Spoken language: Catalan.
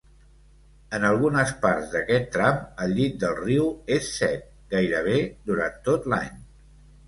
En algunes parts d'aquest tram el llit del riu és sec gairebé durant tot l'any.